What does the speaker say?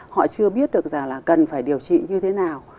họ chưa biết được rằng là cần phải điều trị như thế nào